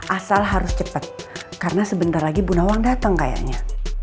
asal harus cepat karena sebentar lagi bu nawang datang kayaknya